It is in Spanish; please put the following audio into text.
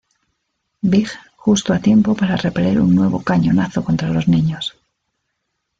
Big justo a tiempo para repeler un nuevo cañonazo contra los niños.